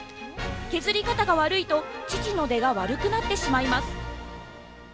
削り方が悪いと乳の出が悪くなってしまいます。